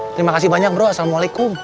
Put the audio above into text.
terima kasih banyak bro assalamualaikum